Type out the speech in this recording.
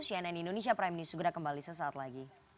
cnn indonesia prime news segera kembali sesaat lagi